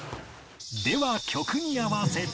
では曲に合わせて